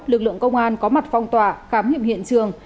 lực lượng công an có mặt phong tỏa khám nghiệm hiện trường